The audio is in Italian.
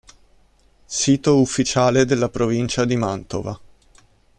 Sito ufficiale della Provincia di Mantova